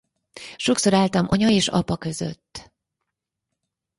Sokszor álltam anya és apa között.